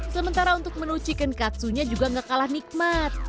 sementara untuk menu chicken katsunya juga gak kalah nikmat